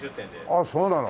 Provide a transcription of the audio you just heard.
あっそうなの。